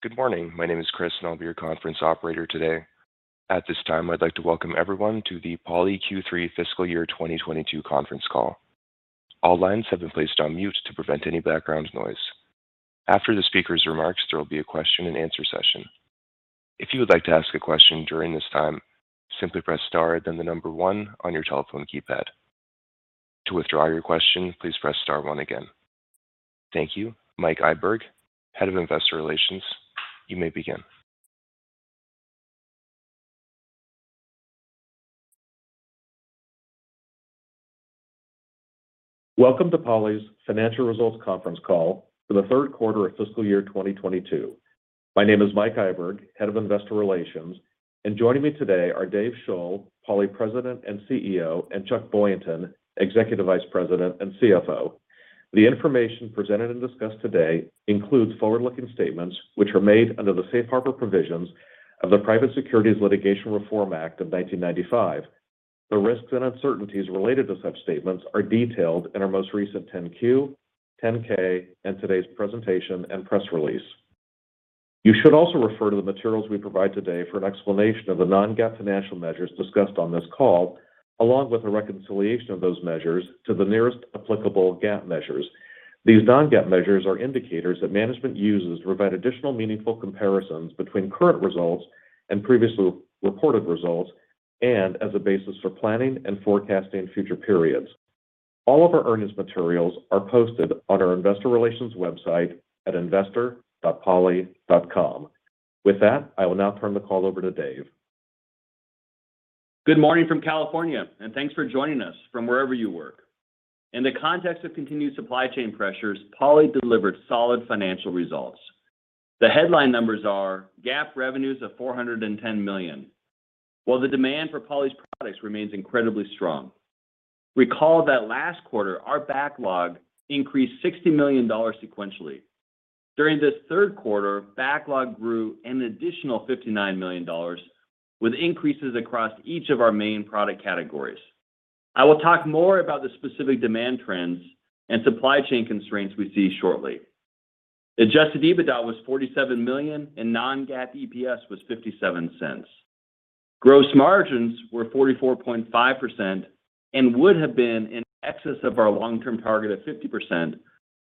Good morning. My name is Chris and I'll be your conference operator today. At this time, I'd like to welcome everyone to the Poly Q3 fiscal year 2022 conference call. All lines have been placed on mute to prevent any background noise. After the speaker's remarks, there will be a question-and-answer session. If you would like to ask a question during this time, simply press star then the number one on your telephone keypad. To withdraw your question, please press star one again. Thank you. Mike Iburg, Head of Investor Relations, you may begin. Welcome to Poly's financial results conference call for the third quarter of fiscal year 2022. My name is Mike Iburg, Head of Investor Relations, and joining me today are Dave Shull, Poly President and CEO; and Chuck Boynton, Executive Vice President and CFO. The information presented and discussed today includes forward-looking statements, which are made under the safe harbor provisions of the Private Securities Litigation Reform Act of 1995. The risks and uncertainties related to such statements are detailed in our most recent 10-Q, 10-K, and today's presentation and press release. You should also refer to the materials we provide today for an explanation of the non-GAAP financial measures discussed on this call, along with a reconciliation of those measures to the nearest applicable GAAP measures. These non-GAAP measures are indicators that management uses to provide additional meaningful comparisons between current results and previously reported results, and as a basis for planning and forecasting future periods. All of our earnings materials are posted on our investor relations website at investor.poly.com. With that, I will now turn the call over to Dave. Good morning from California, and thanks for joining us from wherever you work. In the context of continued supply chain pressures, Poly delivered solid financial results. The headline numbers are GAAP revenues of $410 million, while the demand for Poly's products remains incredibly strong. Recall that last quarter our backlog increased $60 million sequentially. During this third quarter, backlog grew an additional $59 million, with increases across each of our main product categories. I will talk more about the specific demand trends and supply chain constraints we see shortly. Adjusted EBITDA was $47 million and non-GAAP EPS was $0.57. Gross margins were 44.5% and would have been in excess of our long-term target of 50%.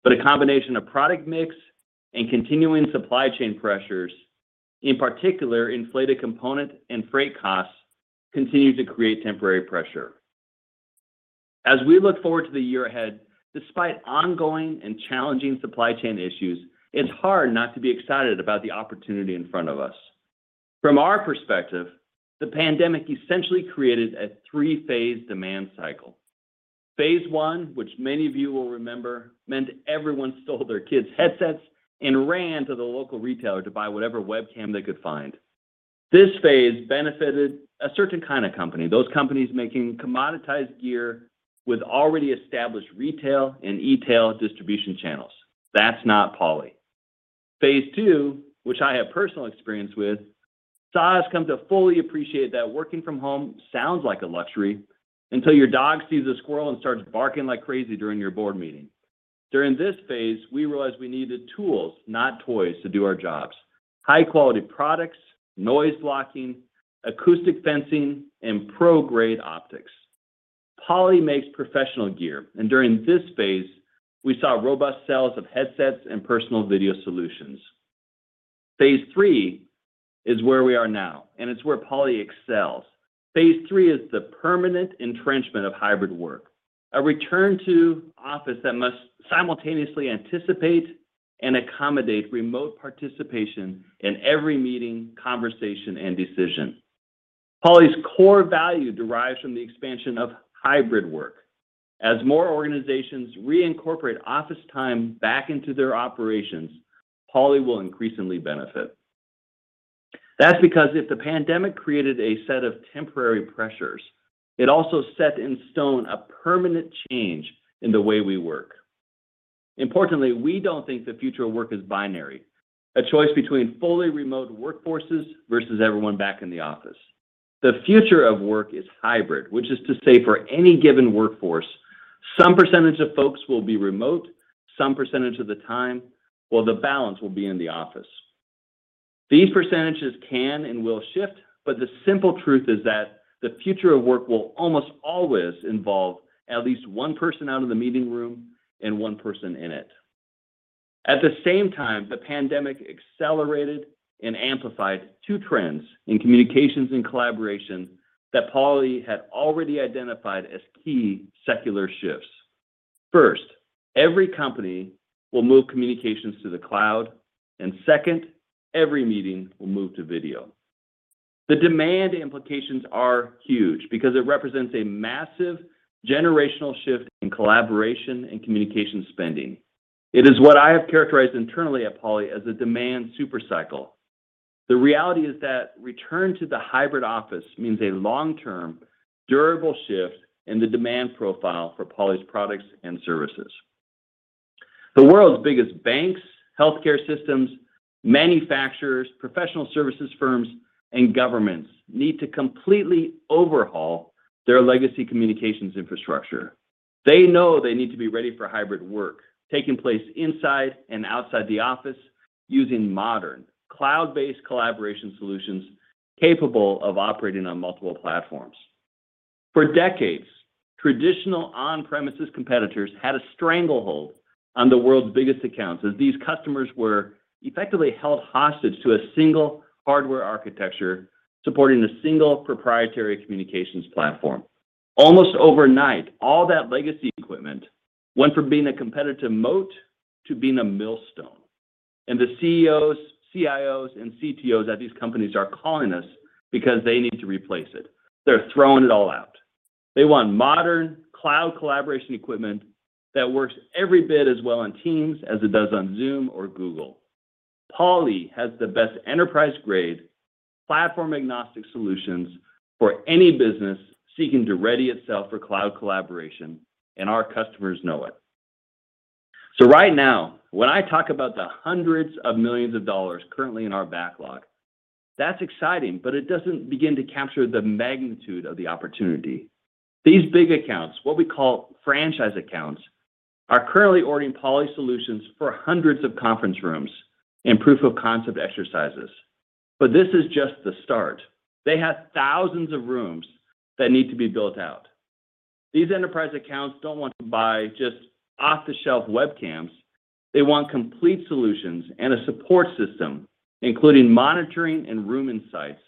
A combination of product mix and continuing supply chain pressures, in particular inflated component and freight costs, continue to create temporary pressure. As we look forward to the year ahead, despite ongoing and challenging supply chain issues, it's hard not to be excited about the opportunity in front of us. From our perspective, the pandemic essentially created a three-phase demand cycle. Phase I, which many of you will remember, meant everyone stole their kids' headsets and ran to the local retailer to buy whatever webcam they could find. This phase benefited a certain kind of company, those companies making commoditized gear with already established retail and e-tail distribution channels. That's not Poly. Phase II, which I have personal experience with, saw us come to fully appreciate that working from home sounds like a luxury until your dog sees a squirrel and starts barking like crazy during your board meeting. During this phase, we realized we needed tools, not toys, to do our jobs. High-quality products, noise blocking, acoustic fencing, and pro-grade optics. Poly makes professional gear, and during this phase, we saw robust sales of headsets and personal video solutions. Phase III is where we are now, and it's where Poly excels. Phase three is the permanent entrenchment of hybrid work, a return to office that must simultaneously anticipate and accommodate remote participation in every meeting, conversation, and decision. Poly's core value derives from the expansion of hybrid work. As more organizations reincorporate office time back into their operations, Poly will increasingly benefit. That's because if the pandemic created a set of temporary pressures, it also set in stone a permanent change in the way we work. Importantly, we don't think the future of work is binary, a choice between fully remote workforces versus everyone back in the office. The future of work is hybrid, which is to say for any given workforce, some percentage of folks will be remote some percentage of the time, while the balance will be in the office. These percentages can and will shift, but the simple truth is that the future of work will almost always involve at least one person out of the meeting room and one person in it. At the same time, the pandemic accelerated and amplified two trends in communications and collaboration that Poly had already identified as key secular shifts. First, every company will move communications to the cloud, and second, every meeting will move to video. The demand implications are huge because it represents a massive generational shift in collaboration and communication spending. It is what I have characterized internally at Poly as a demand super cycle. The reality is that return to the hybrid office means a long-term, durable shift in the demand profile for Poly's products and services. The world's biggest banks, healthcare systems, manufacturers, professional services firms, and governments need to completely overhaul their legacy communications infrastructure. They know they need to be ready for hybrid work, taking place inside and outside the office using modern cloud-based collaboration solutions capable of operating on multiple platforms. For decades, traditional on-premises competitors had a stranglehold on the world's biggest accounts as these customers were effectively held hostage to a single hardware architecture supporting a single proprietary communications platform. Almost overnight, all that legacy equipment went from being a competitive moat to being a millstone. The CEOs, CIOs, and CTOs at these companies are calling us because they need to replace it. They're throwing it all out. They want modern cloud collaboration equipment that works every bit as well on Teams as it does on Zoom or Google. Poly has the best enterprise-grade platform agnostic solutions for any business seeking to ready itself for cloud collaboration, and our customers know it. Right now, when I talk about the hundreds of millions of dollars currently in our backlog, that's exciting, but it doesn't begin to capture the magnitude of the opportunity. These big accounts, what we call franchise accounts, are currently ordering Poly solutions for hundreds of conference rooms and proof of concept exercises. This is just the start. They have thousands of rooms that need to be built out. These enterprise accounts don't want to buy just off-the-shelf webcams. They want complete solutions and a support system, including monitoring and room insights,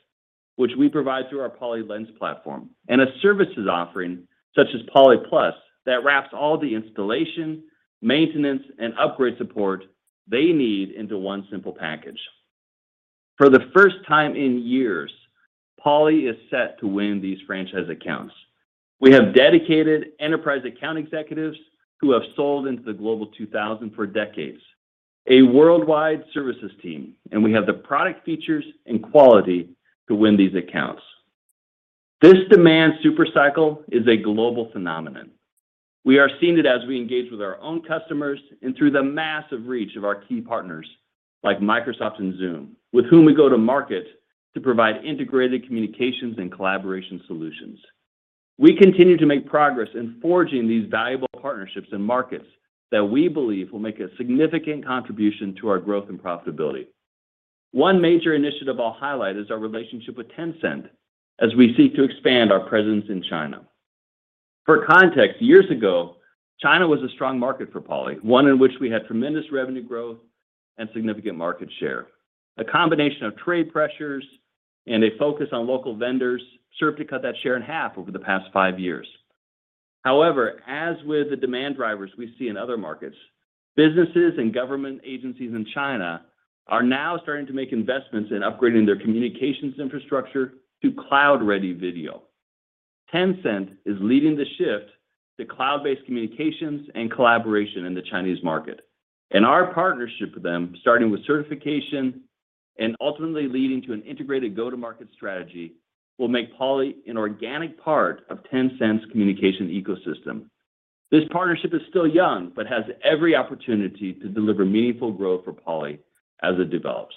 which we provide through our Poly Lens platform, and a services offering such as PolyPlus that wraps all the installation, maintenance, and upgrade support they need into one simple package. For the first time in years, Poly is set to win these franchise accounts. We have dedicated enterprise account executives who have sold into the Global 2000 for decades, a worldwide services team, and we have the product features and quality to win these accounts. This demand super cycle is a global phenomenon. We are seeing it as we engage with our own customers and through the massive reach of our key partners, like Microsoft and Zoom, with whom we go to market to provide integrated communications and collaboration solutions. We continue to make progress in forging these valuable partnerships and markets that we believe will make a significant contribution to our growth and profitability. One major initiative I'll highlight is our relationship with Tencent as we seek to expand our presence in China. For context, years ago, China was a strong market for Poly, one in which we had tremendous revenue growth and significant market share. A combination of trade pressures and a focus on local vendors served to cut that share in half over the past five years. However, as with the demand drivers we see in other markets, businesses and government agencies in China are now starting to make investments in upgrading their communications infrastructure to cloud-ready video. Tencent is leading the shift to cloud-based communications and collaboration in the Chinese market. Our partnership with them, starting with certification and ultimately leading to an integrated go-to-market strategy, will make Poly an organic part of Tencent's communication ecosystem. This partnership is still young but has every opportunity to deliver meaningful growth for Poly as it develops.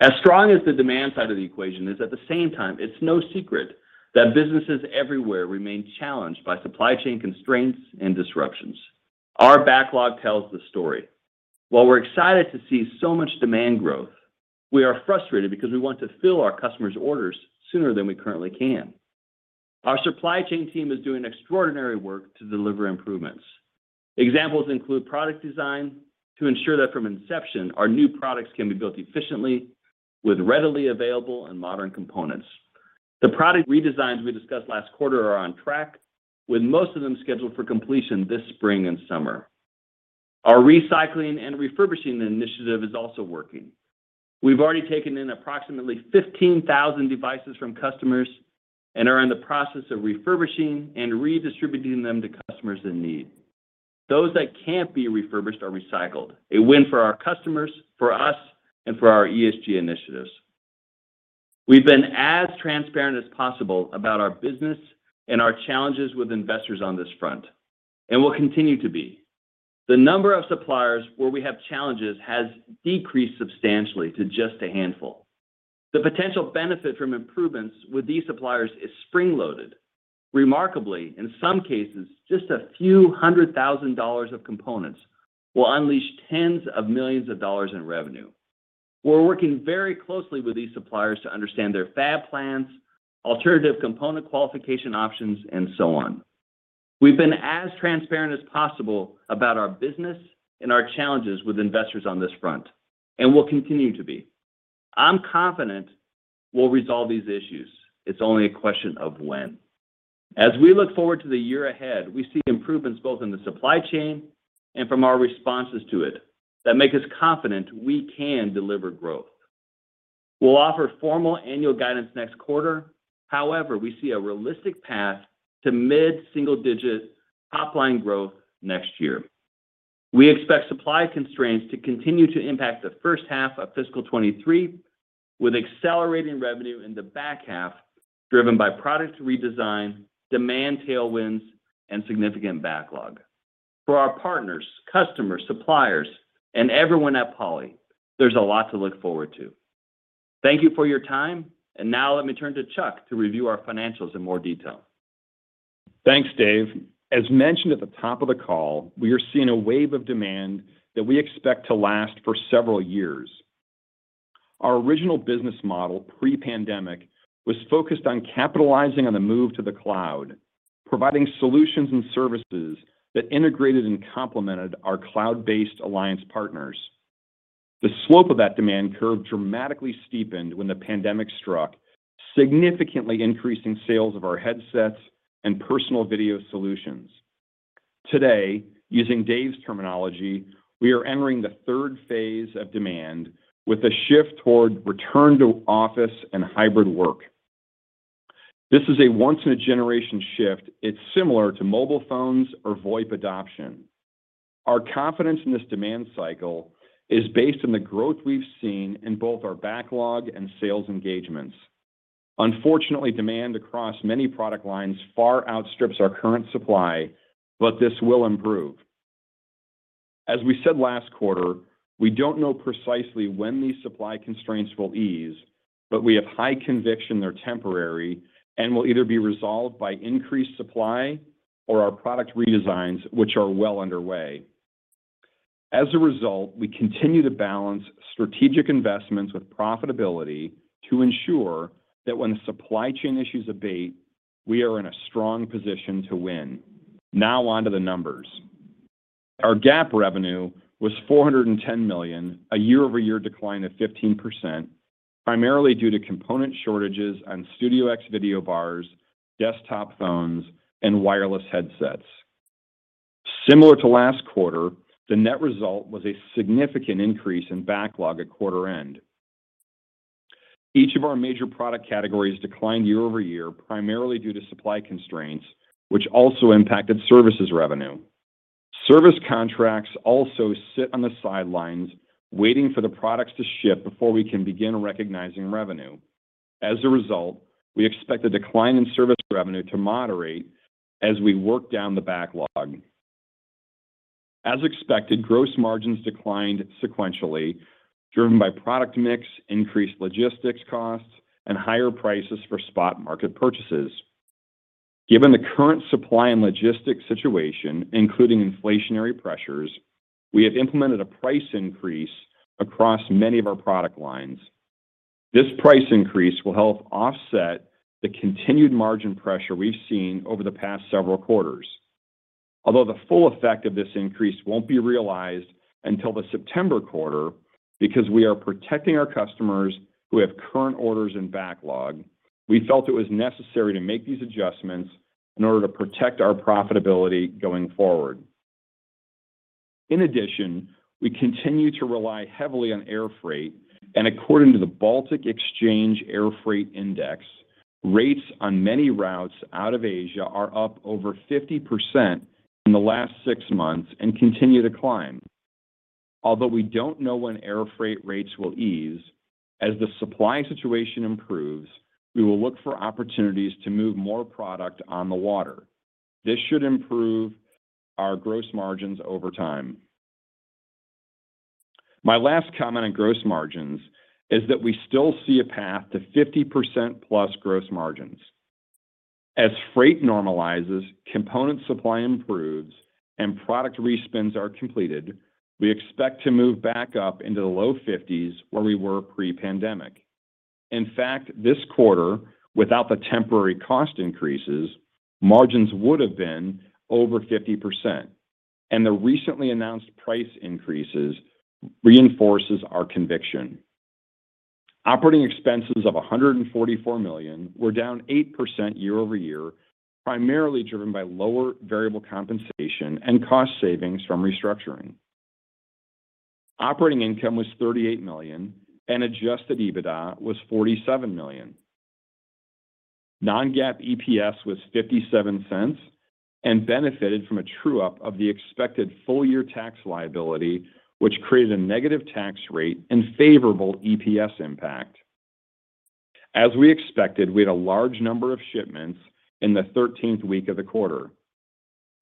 As strong as the demand side of the equation is, at the same time, it's no secret that businesses everywhere remain challenged by supply chain constraints and disruptions. Our backlog tells the story. While we're excited to see so much demand growth, we are frustrated because we want to fill our customers' orders sooner than we currently can. Our supply chain team is doing extraordinary work to deliver improvements. Examples include product design to ensure that from inception, our new products can be built efficiently with readily available and modern components. The product redesigns we discussed last quarter are on track, with most of them scheduled for completion this spring and summer. Our recycling and refurbishing initiative is also working. We've already taken in approximately 15,000 devices from customers and are in the process of refurbishing and redistributing them to customers in need. Those that can't be refurbished are recycled, a win for our customers, for us, and for our ESG initiatives. We've been as transparent as possible about our business and our challenges with investors on this front, and will continue to be. The number of suppliers where we have challenges has decreased substantially to just a handful. The potential benefit from improvements with these suppliers is spring-loaded. Remarkably, in some cases, just a few hundred thousand dollars of components will unleash tens of millions of dollars in revenue. We're working very closely with these suppliers to understand their fab plans, alternative component qualification options, and so on. We've been as transparent as possible about our business and our challenges with investors on this front, and will continue to be. I'm confident we'll resolve these issues. It's only a question of when. As we look forward to the year ahead, we see improvements both in the supply chain and from our responses to it that make us confident we can deliver growth. We'll offer formal annual guidance next quarter. However, we see a realistic path to mid-single-digit top-line growth next year. We expect supply constraints to continue to impact the first half of fiscal 2023, with accelerating revenue in the back half driven by product redesign, demand tailwinds, and significant backlog. For our partners, customers, suppliers, and everyone at Poly, there's a lot to look forward to. Thank you for your time. Now let me turn to Chuck to review our financials in more detail. Thanks, Dave. As mentioned at the top of the call, we are seeing a wave of demand that we expect to last for several years. Our original business model, pre-pandemic, was focused on capitalizing on the move to the cloud, providing solutions and services that integrated and complemented our cloud-based alliance partners. The slope of that demand curve dramatically steepened when the pandemic struck, significantly increasing sales of our headsets and personal video solutions. Today, using Dave's terminology, we are entering the third phase of demand with a shift toward return to office and hybrid work. This is a once in a generation shift. It's similar to mobile phones or VoIP adoption. Our confidence in this demand cycle is based on the growth we've seen in both our backlog and sales engagements. Unfortunately, demand across many product lines far outstrips our current supply, but this will improve. As we said last quarter, we don't know precisely when these supply constraints will ease, but we have high conviction they're temporary and will either be resolved by increased supply or our product redesigns, which are well underway. As a result, we continue to balance strategic investments with profitability to ensure that when the supply chain issues abate, we are in a strong position to win. Now on to the numbers. Our GAAP revenue was $410 million, a year-over-year decline of 15%, primarily due to component shortages on Studio X video bars, desktop phones, and wireless headsets. Similar to last quarter, the net result was a significant increase in backlog at quarter end. Each of our major product categories declined year-over-year, primarily due to supply constraints, which also impacted services revenue. Service contracts also sit on the sidelines waiting for the products to ship before we can begin recognizing revenue. As a result, we expect the decline in service revenue to moderate as we work down the backlog. As expected, gross margins declined sequentially, driven by product mix, increased logistics costs, and higher prices for spot market purchases. Given the current supply and logistics situation, including inflationary pressures, we have implemented a price increase across many of our product lines. This price increase will help offset the continued margin pressure we've seen over the past several quarters. Although the full effect of this increase won't be realized until the September quarter because we are protecting our customers who have current orders in backlog, we felt it was necessary to make these adjustments in order to protect our profitability going forward. In addition, we continue to rely heavily on air freight, and according to the Baltic Air Freight Index, rates on many routes out of Asia are up over 50% in the last six months and continue to climb. Although we don't know when air freight rates will ease, as the supply situation improves, we will look for opportunities to move more product on the water. This should improve our gross margins over time. My last comment on gross margins is that we still see a path to 50%+ gross margins. As freight normalizes, component supply improves, and product respins are completed, we expect to move back up into the low 50s where we were pre-pandemic. In fact, this quarter, without the temporary cost increases, margins would have been over 50%, and the recently announced price increases reinforces our conviction. Operating expenses of $144 million were down 8% year-over-year, primarily driven by lower variable compensation and cost savings from restructuring. Operating income was $38 million, and adjusted EBITDA was $47 million. non-GAAP EPS was $0.57 and benefited from a true-up of the expected full-year tax liability, which created a negative tax rate and favorable EPS impact. As we expected, we had a large number of shipments in the 13th week of the quarter.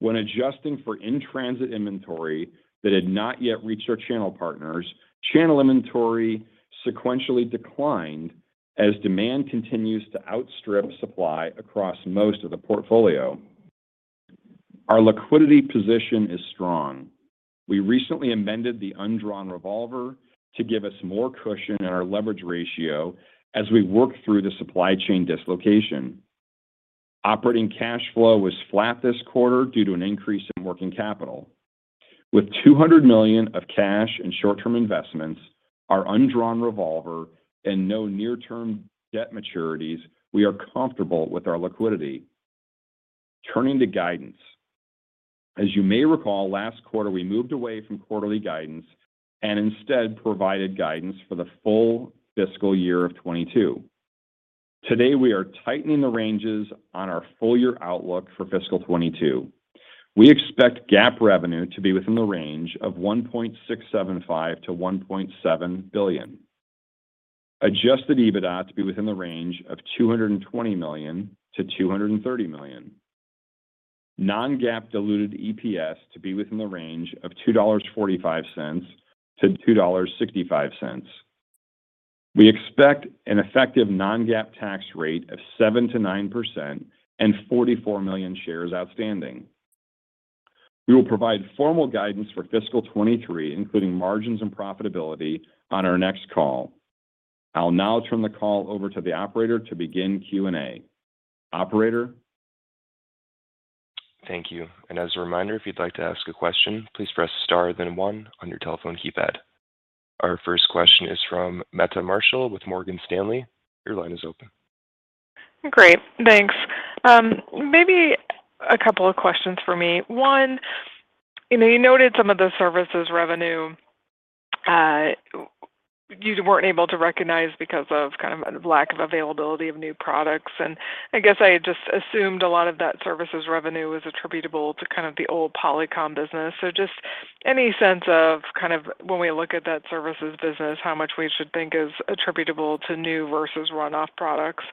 When adjusting for in-transit inventory that had not yet reached our channel partners, channel inventory sequentially declined as demand continues to outstrip supply across most of the portfolio. Our liquidity position is strong. We recently amended the undrawn revolver to give us more cushion in our leverage ratio as we work through the supply chain dislocation. Operating cash flow was flat this quarter due to an increase in working capital. With $200 million of cash and short-term investments, our undrawn revolver and no near-term debt maturities, we are comfortable with our liquidity. Turning to guidance. As you may recall, last quarter we moved away from quarterly guidance and instead provided guidance for the full fiscal year of 2022. Today, we are tightening the ranges on our full-year outlook for fiscal 2022. We expect GAAP revenue to be within the range of $1.675 billion-$1.7 billion. Adjusted EBITDA to be within the range of $220 million-$230 million. non-GAAP diluted EPS to be within the range of $2.45-$2.65. We expect an effective non-GAAP tax rate of 7%-9% and 44 million shares outstanding. We will provide formal guidance for fiscal 2023, including margins and profitability on our next call. I'll now turn the call over to the Operator to begin Q&A. Operator? Thank you. As a reminder, if you'd like to ask a question, please press star then one on your telephone keypad. Our first question is from Meta Marshall with Morgan Stanley. Your line is open. Great. Thanks. Maybe a couple of questions for me. One, you know, you noted some of the services revenue you weren't able to recognize because of kind of lack of availability of new products, and I guess I just assumed a lot of that services revenue was attributable to kind of the old Polycom business. Just any sense of kind of when we look at that services business, how much we should think is attributable to new versus runoff products.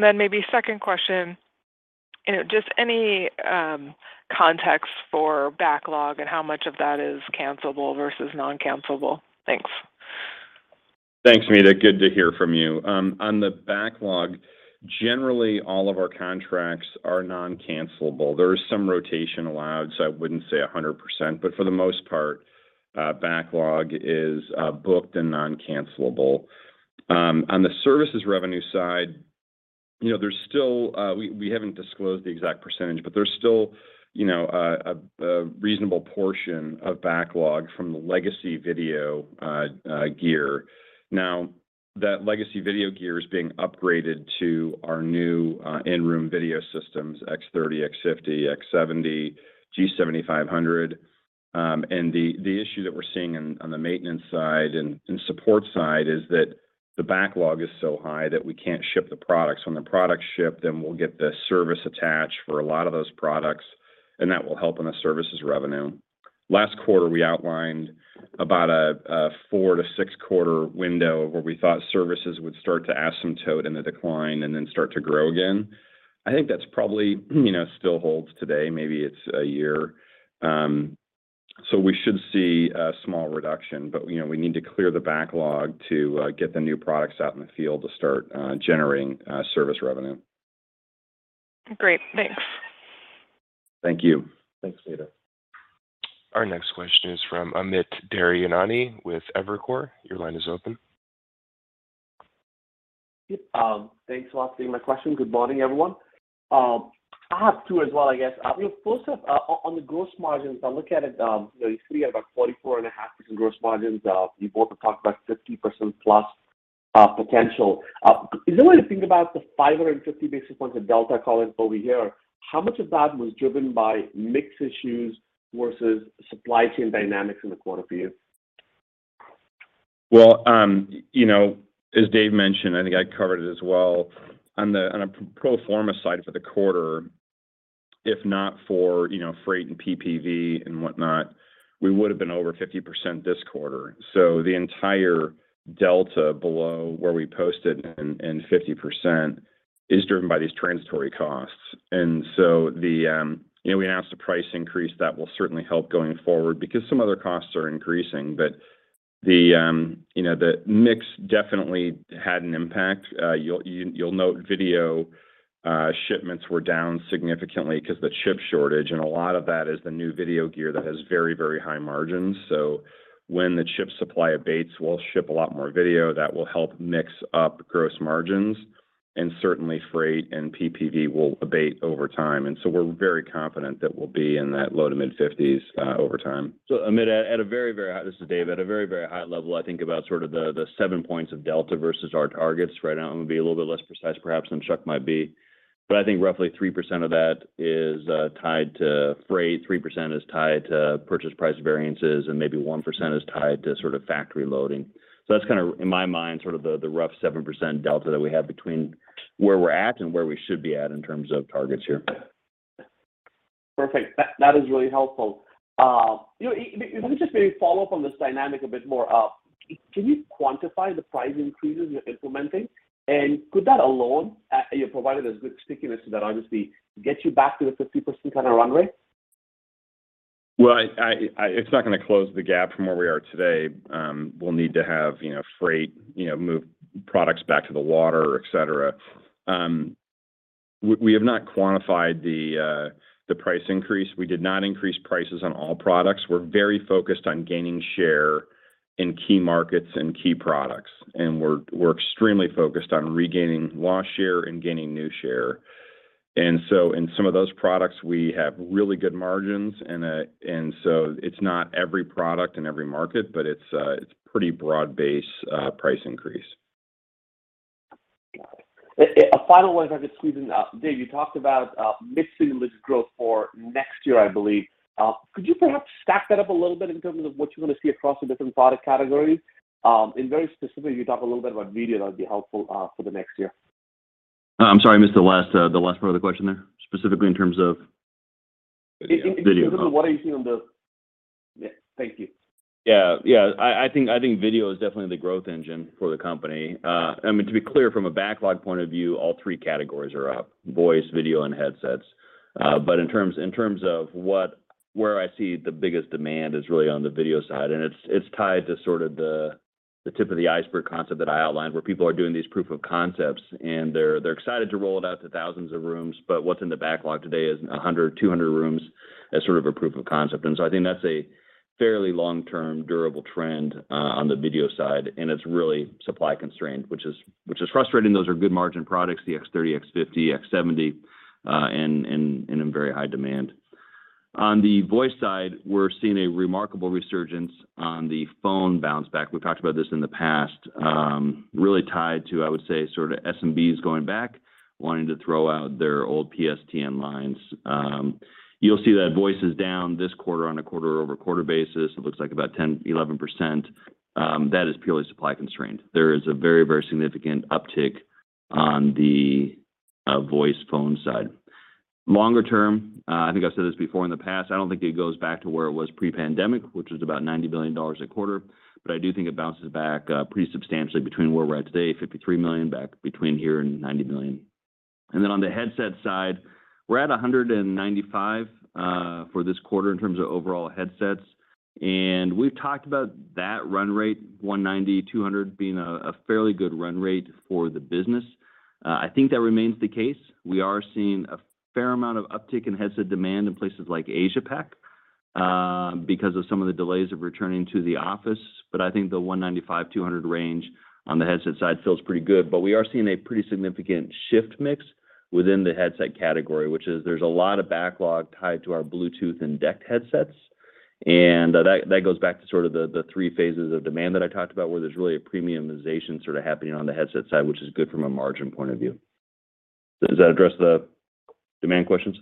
Maybe second question, you know, just any context for backlog and how much of that is cancelable versus non-cancelable? Thanks. Thanks, Meta. Good to hear from you. On the backlog, generally all of our contracts are non-cancelable. There is some rotation allowed, so I wouldn't say 100%, but for the most part, backlog is booked and non-cancelable. On the services revenue side, you know, we haven't disclosed the exact percentage, but there's still, you know, a reasonable portion of backlog from the legacy video gear. Now, that legacy video gear is being upgraded to our new in-room video systems, X30, X50, X70, G7500. The issue that we're seeing on the maintenance side and support side is that the backlog is so high that we can't ship the products. When the products ship, then we'll get the service attached for a lot of those products, and that will help in the services revenue. Last quarter, we outlined about a four quarter-six quarter window where we thought services would start to asymptote in the decline and then start to grow again. I think that's probably, you know, still holds today, maybe it's a year. We should see a small reduction, but, you know, we need to clear the backlog to get the new products out in the field to start generating service revenue. Great. Thanks. Thank you. Thanks, Meta. Our next question is from Amit Daryanani with Evercore. Your line is open. Yep. Thanks a lot for taking my question. Good morning, everyone. I have two as well, I guess. First up, on the gross margins, I look at it, you know, you see about 44.5% gross margins. You both have talked about 50%+ potential. Is there a way to think about the 550 basis points of delta I'm calling over here? How much of that was driven by mix issues versus supply chain dynamics in the quarter for you? Well, you know, as Dave mentioned, I think I covered it as well, on a pro forma side for the quarter, if not for, you know, freight and PPV and whatnot, we would've been over 50% this quarter. The entire delta below where we posted and 50% is driven by these transitory costs. The, you know, we announced the price increase that will certainly help going forward because some other costs are increasing. The, you know, the mix definitely had an impact. You'll note video shipments were down significantly 'cause of the chip shortage, and a lot of that is the new video gear that has very, very high margins. When the chip supply abates, we'll ship a lot more video. That will help mix up gross margins, and certainly freight and PPV will abate over time. We're very confident that we'll be in that low- to mid-50% over time. Amit, at a very high level, I think about sort of the seven points of delta versus our targets, right? I'm gonna be a little bit less precise perhaps than Chuck might be. I think roughly 3% of that is tied to freight, 3% is tied to purchase price variances, and maybe 1% is tied to sort of factory loading. That's kind of, in my mind, sort of the rough 7% delta that we have between where we're at and where we should be at in terms of targets here. Perfect. That is really helpful. You know, let me just maybe follow up on this dynamic a bit more. Can you quantify the price increases you're implementing? Could that alone, you know, provided there's good stickiness to that, obviously get you back to the 50% kind of runway? It's not gonna close the gap from where we are today. We'll need to have, you know, freight, you know, move products back to the water, et cetera. We have not quantified the price increase. We did not increase prices on all products. We're very focused on gaining share in key markets and key products, and we're extremely focused on regaining lost share and gaining new share. In some of those products, we have really good margins and so it's not every product and every market, but it's pretty broad-based price increase. Got it. A final one if I could squeeze in. Dave, you talked about mid-single digit growth for next year, I believe. Could you perhaps stack that up a little bit in terms of what you wanna see across the different product categories? Very specifically, if you talk a little bit about video, that would be helpful for the next year. I'm sorry, I missed the last part of the question there. Specifically in terms of? In terms of what are you seeing on the Yeah. Thank you. Yeah. Yeah. I think video is definitely the growth engine for the company. I mean, to be clear, from a backlog point of view, all three categories are up: voice, video and headsets. In terms of where I see the biggest demand is really on the video side, and it's tied to sort of the tip of the iceberg concept that I outlined, where people are doing these proof of concepts and they're excited to roll it out to thousands of rooms. What's in the backlog today is 100, 200 rooms as sort of a proof of concept. I think that's a fairly long-term durable trend on the video side, and it's really supply constrained, which is frustrating. Those are good margin products, the X30, X50, X70, and in very high demand. On the voice side, we're seeing a remarkable resurgence on the phone bounce back. We've talked about this in the past, really tied to, I would say, sort of SMBs going back, wanting to throw out their old PSTN lines. You'll see that voice is down this quarter on a quarter-over-quarter basis. It looks like about 10%-11%. That is purely supply constrained. There is a very, very significant uptick on the voice phone side. Longer term, I think I've said this before in the past, I don't think it goes back to where it was pre-pandemic, which was about $90 billion a quarter. I do think it bounces back pretty substantially between where we're at today, $53 million, back between here and $90 million. Then on the headset side, we're at 195 for this quarter in terms of overall headsets, and we've talked about that run rate, 190-200 being a fairly good run rate for the business. I think that remains the case. We are seeing a fair amount of uptick in headset demand in places like Asia-Pac because of some of the delays of returning to the office. I think the 195-200 range on the headset side feels pretty good. We are seeing a pretty significant shift mix within the headset category, which is there's a lot of backlog tied to our Bluetooth and DECT headsets. That goes back to sort of the three phases of demand that I talked about, where there's really a premiumization sort of happening on the headset side, which is good from a margin point of view. Does that address the demand questions?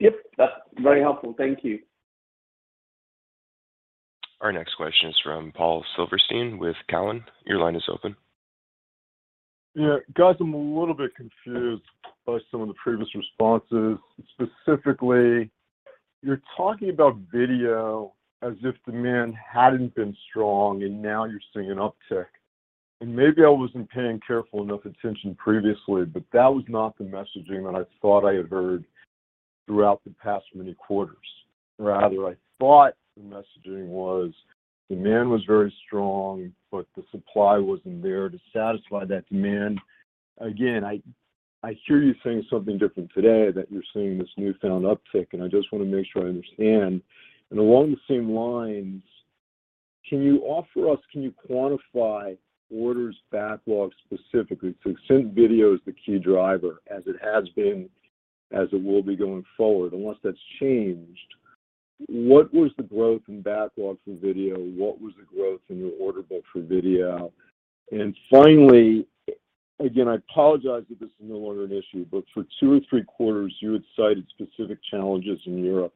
Yep. That's very helpful. Thank you. Our next question is from Paul Silverstein with Cowen. Your line is open. Yeah. Guys, I'm a little bit confused by some of the previous responses. Specifically, you're talking about video as if demand hadn't been strong and now you're seeing an uptick. Maybe I wasn't paying careful enough attention previously, but that was not the messaging that I thought I had heard throughout the past many quarters. Rather, I thought the messaging was demand was very strong, but the supply wasn't there to satisfy that demand. Again, I hear you saying something different today, that you're seeing this newfound uptick, and I just want to make sure I understand. Along the same lines, can you quantify orders backlog specifically? To the extent video is the key driver as it has been, as it will be going forward, unless that's changed, what was the growth in backlog for video? What was the growth in your order book for video? Finally, again, I apologize if this is no longer an issue, but for two or three quarters, you had cited specific challenges in Europe.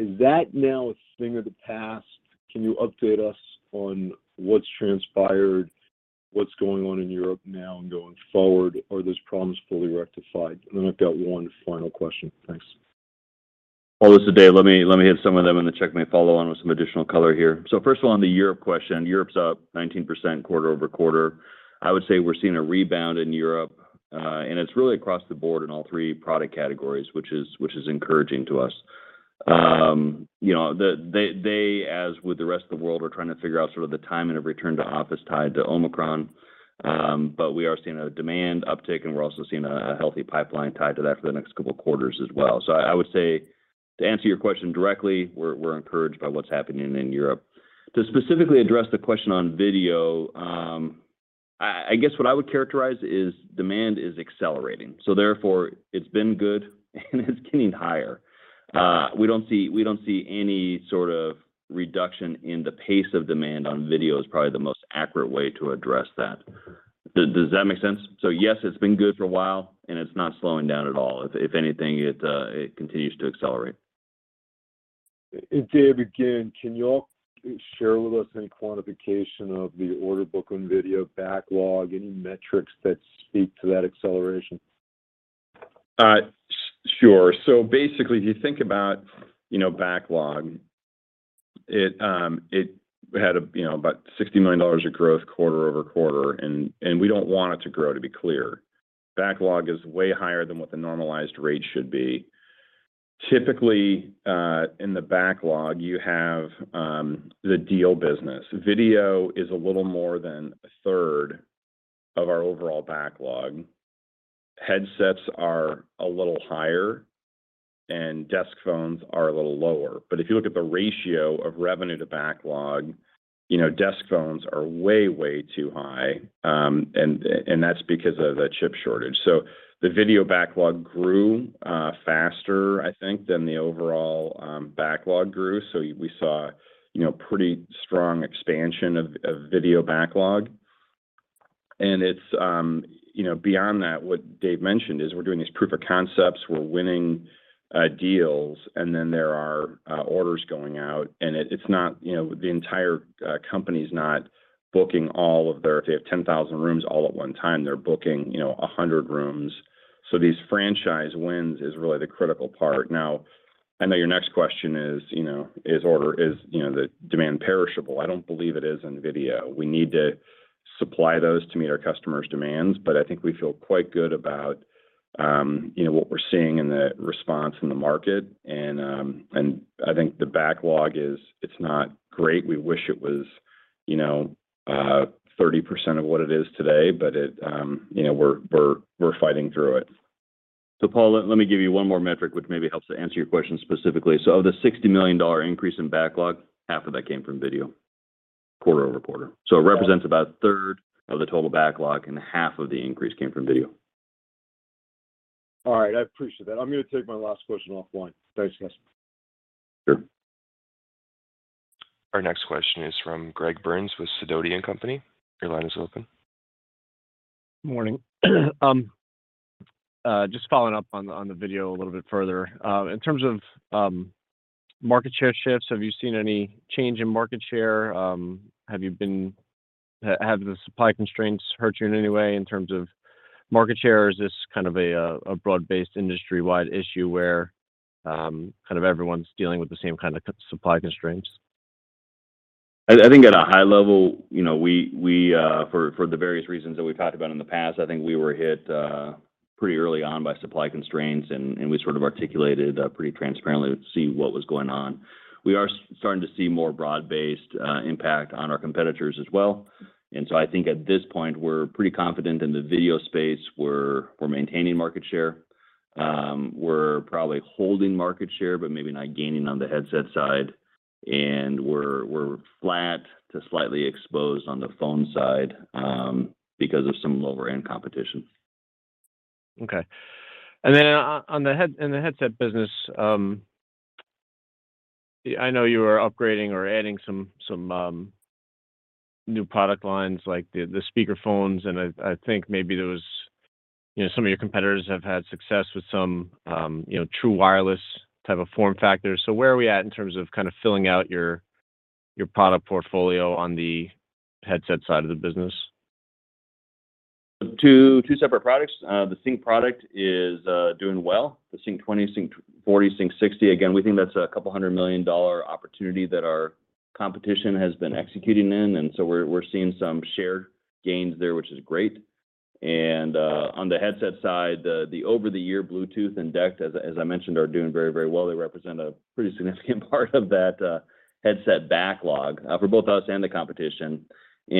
Is that now a thing of the past? Can you update us on what's transpired, what's going on in Europe now and going forward? Are those problems fully rectified? Then I've got one final question. Thanks. Paul, this is Dave. Let me hit some of them, and then Chuck may follow on with some additional color here. First of all, on the Europe question, Europe's up 19% quarter-over-quarter. I would say we're seeing a rebound in Europe, and it's really across the board in all three product categories, which is encouraging to us. You know, they, as with the rest of the world, are trying to figure out sort of the timing of return to office tied to Omicron. But we are seeing a demand uptick, and we're also seeing a healthy pipeline tied to that for the next couple of quarters as well. I would say to answer your question directly, we're encouraged by what's happening in Europe. To specifically address the question on video, I guess what I would characterize is demand is accelerating, so therefore it's been good and it's getting higher. We don't see any sort of reduction in the pace of demand on video, is probably the most accurate way to address that. Does that make sense? Yes, it's been good for a while and it's not slowing down at all. If anything, it continues to accelerate. Dave, again, can you all share with us any quantification of the order book on video backlog? Any metrics that speak to that acceleration? Sure. Basically, if you think about, you know, backlog, it had, you know, about $60 million of growth quarter-over-quarter. We don't want it to grow, to be clear. Backlog is way higher than what the normalized rate should be. Typically, in the backlog you have the deal business. Video is a little more than a third of our overall backlog. Headsets are a little higher and desk phones are a little lower. But if you look at the ratio of revenue to backlog, you know, desk phones are way too high. That's because of a chip shortage. The video backlog grew faster, I think, than the overall backlog grew. We saw, you know, pretty strong expansion of video backlog. It's, you know, beyond that, what Dave mentioned is we're doing these proof of concepts, we're winning deals, and then there are orders going out, and it's not, you know, the entire company's not booking all of their. If they have 10,000 rooms all at one time, they're booking, you know, 100 rooms. So these franchise wins is really the critical part. Now, I know your next question is, you know, is the demand perishable? I don't believe it is in video. We need to supply those to meet our customers' demands. But I think we feel quite good about, you know, what we're seeing and the response in the market. I think the backlog is, it's not great. We wish it was, you know, 30% of what it is today, but it, you know, we're fighting through it. Paul, let me give you one more metric, which maybe helps to answer your question specifically. Of the $60 million increase in backlog, 1/2 of that came from video quarter-over-quarter. It represents about a third of the total backlog, and 1/2 of the increase came from video. All right. I appreciate that. I'm gonna take my last question offline. Thanks, guys. Sure. Our next question is from Gregory Burns with Sidoti & Company. Your line is open. Morning. Just following up on the video a little bit further. In terms of market share shifts, have you seen any change in market share? Have the supply constraints hurt you in any way in terms of market share? Or is this kind of a broad-based industry-wide issue where kind of everyone's dealing with the same kind of supply constraints? I think at a high level, you know, we for the various reasons that we've talked about in the past, I think we were hit pretty early on by supply constraints, and we sort of articulated pretty transparently to see what was going on. We are starting to see more broad-based impact on our competitors as well. I think at this point, we're pretty confident in the video space. We're maintaining market share. We're probably holding market share, but maybe not gaining on the headset side. We're flat to slightly exposed on the phone side, because of some lower-end competition. Okay. On the headset business, I know you were upgrading or adding some new product lines like the speaker phones, and I think maybe there was you know, some of your competitors have had success with some you know, true wireless type of form factors. Where are we at in terms of kind of filling out your product portfolio on the headset side of the business? Two separate products. The Sync product is doing well. The Sync 20, Sync 40, Sync 60, again, we think that's a couple of a hundred million dollars opportunity that our competition has been executing in and so we're seeing some share gains there, which is great. On the headset side, the over-the-year Bluetooth and DECT, as I mentioned, are doing very, very well. They represent a pretty significant part of that headset backlog for both us and the competition. We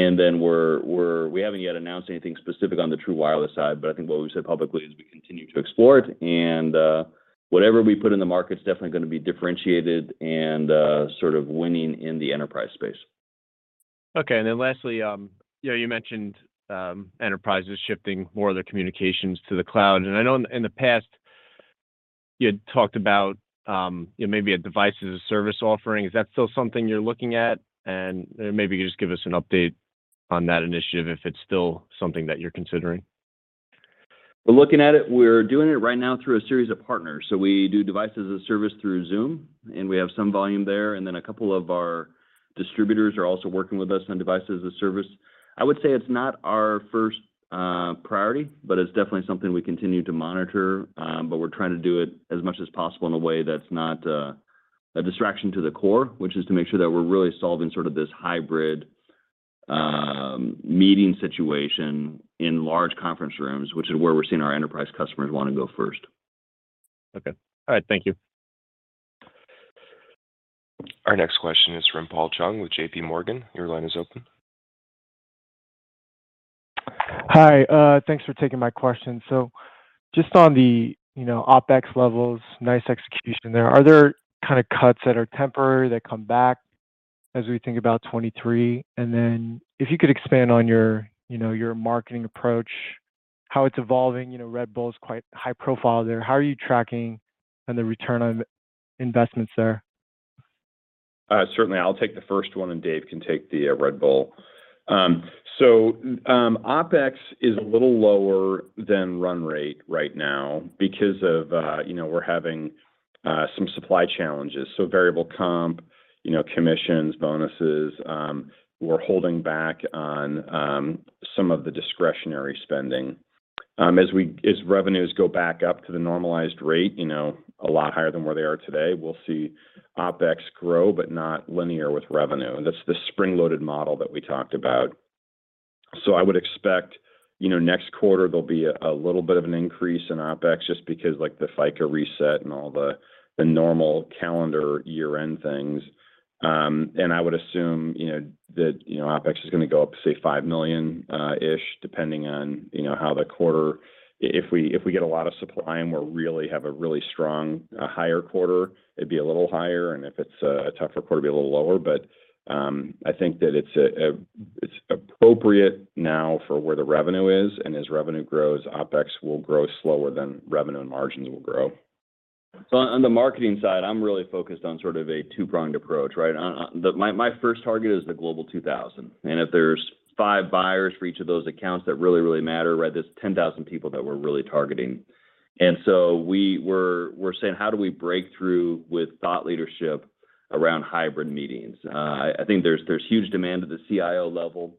haven't yet announced anything specific on the true wireless side, but I think what we've said publicly is we continue to explore it and whatever we put in the market is definitely gonna be differentiated and sort of winning in the enterprise space. Okay. Lastly, you know, you mentioned enterprises shifting more of their communications to the cloud, and I know in the past you had talked about, you know, maybe a device as a service offering. Is that still something you're looking at? Maybe you just give us an update on that initiative if it's still something that you're considering. We're looking at it. We're doing it right now through a series of partners. We do device as a service through Zoom, and we have some volume there. Then a couple of our distributors are also working with us on device as a service. I would say it's not our first priority, but it's definitely something we continue to monitor. We're trying to do it as much as possible in a way that's not a distraction to the core, which is to make sure that we're really solving sort of this hybrid meeting situation in large conference rooms, which is where we're seeing our enterprise customers wanna go first. Okay. All right. Thank you. Our next question is from Paul Chung with JPMorgan. Your line is open. Hi. Thanks for taking my question. Just on the, you know, OpEx levels, nice execution there. Are there kind of cuts that are temporary that come back as we think about 2023? If you could expand on your, you know, your marketing approach, how it's evolving. You know, Red Bull is quite high profile there. How are you tracking on the return on investments there? Certainly. I'll take the first one, and Dave can take the Red Bull. OpEx is a little lower than run rate right now because of you know, we're having some supply challenges. Variable comp, you know, commissions, bonuses, we're holding back on some of the discretionary spending. As revenues go back up to the normalized rate, you know, a lot higher than where they are today, we'll see OpEx grow, but not linear with revenue. That's the spring-loaded model that we talked about. I would expect, you know, next quarter there'll be a little bit of an increase in OpEx just because like the FICA reset and all the normal calendar year-end things. I would assume, you know, that, you know, OpEx is gonna go up to, say, $5 million ish, depending on how the quarter. If we get a lot of supply and we really have a strong higher quarter, it'd be a little higher, and if it's a tougher quarter, it'll be a little lower. I think that it's appropriate now for where the revenue is, and as revenue grows, OpEx will grow slower than revenue and margins will grow. On the marketing side, I'm really focused on sort of a two-pronged approach, right? On my first target is the Global 2000, and if there's five buyers for each of those accounts that really matter, right, there's 10,000 people that we're really targeting. We're saying, How do we break through with thought leadership around hybrid meetings? I think there's huge demand at the CIO level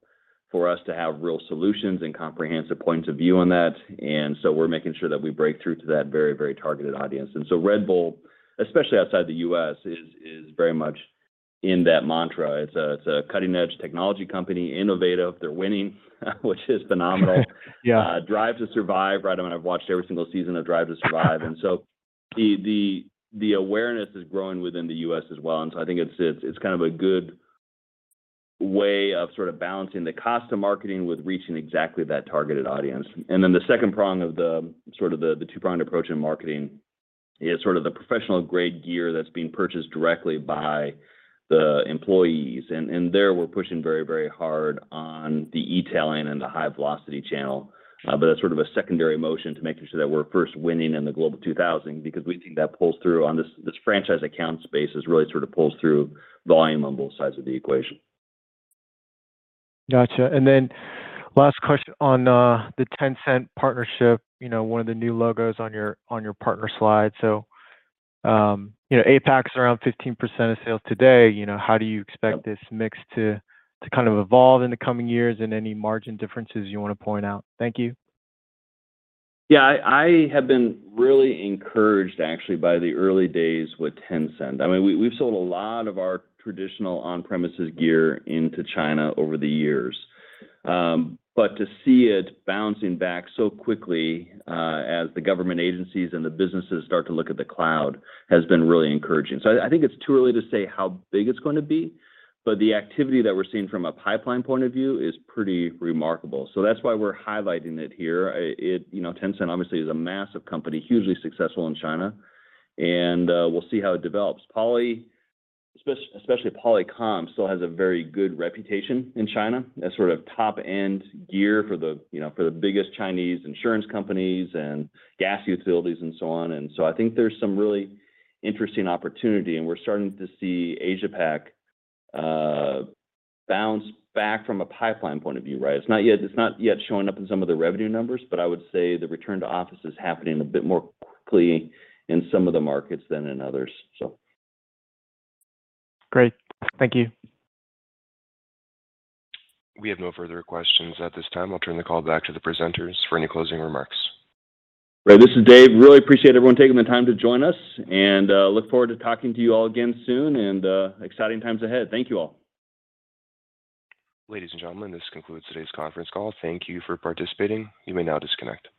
for us to have real solutions and comprehensive points of view on that. We're making sure that we break through to that very, very targeted audience. Red Bull, especially outside the U.S., is very much in that mantra. It's a cutting-edge technology company, innovative, they're winning, which is phenomenal. Yeah. Drive to Survive, right? I mean, I've watched every single season of Drive to Survive. The awareness is growing within the U.S. as well, and I think it's kind of a good way of sort of balancing the cost of marketing with reaching exactly that targeted audience. The second prong of the sort of the two-pronged approach in marketing is sort of the professional grade gear that's being purchased directly by the employees. There we're pushing very hard on the e-tailing and the high velocity channel. That's sort of a secondary motion to making sure that we're first winning in the Global 2000 because we think that pulls through on this franchise account space is really sort of pulls through volume on both sides of the equation. Gotcha. Last question on the Tencent partnership, you know, one of the new logos on your partner slide. You know, APAC's around 15% of sales today. You know, how do you expect this mix to kind of evolve in the coming years, and any margin differences you wanna point out? Thank you. Yeah, I have been really encouraged actually by the early days with Tencent. I mean, we've sold a lot of our traditional on-premises gear into China over the years. To see it bouncing back so quickly, as the government agencies and the businesses start to look at the cloud has been really encouraging. I think it's too early to say how big it's going to be, but the activity that we're seeing from a pipeline point of view is pretty remarkable. That's why we're highlighting it here. You know, Tencent obviously is a massive company, hugely successful in China, and we'll see how it develops. Poly, especially Polycom still has a very good reputation in China as sort of top-end gear for the, you know, for the biggest Chinese insurance companies and gas utilities and so on. I think there's some really interesting opportunity, and we're starting to see Asia Pac bounce back from a pipeline point of view, right? It's not yet showing up in some of the revenue numbers, but I would say the return to office is happening a bit more quickly in some of the markets than in others. Great. Thank you. We have no further questions at this time. I'll turn the call back to the presenters for any closing remarks. Right. This is Dave. I really appreciate everyone taking the time to join us and look forward to talking to you all again soon and exciting times ahead. Thank you all. Ladies and gentlemen, this concludes today's conference call. Thank you for participating. You may now disconnect.